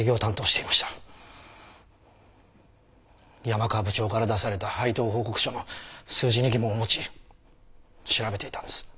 山川部長から出された配当報告書の数字に疑問を持ち調べていたんです。